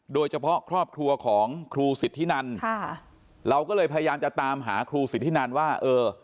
โดยเฉพาะครอบครัวของครูสิทธินันค่ะเราก็เลยพยายามจะตามหาครูสิทธินันว่าเออ